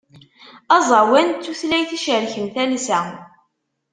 Aẓawan d tutlayt icerken talsa.